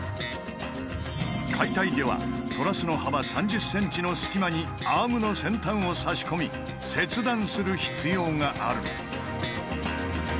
解体ではトラスの幅３０ｃｍの隙間にアームの先端を差し込み切断する必要がある。